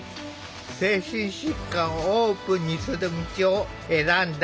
精神疾患をオープンにする道を選んだ。